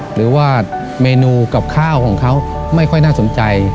หรือว่าเมนูกับข้าวของเขาไม่ค่อยน่าสนใจ